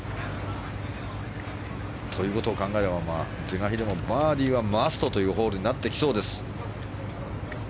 ということを考えれば是が非でもバーディーはマストというホールになってきそうです。